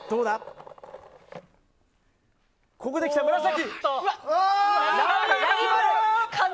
ここできた、紫。